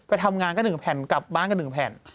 ไปทำงานก็หนึ่งแผ่นกลับบ้านก็หนึ่งแผ่น